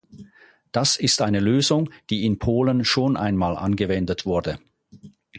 Das ist eine Lösung, die in Polen schon einmal angewendet wurde.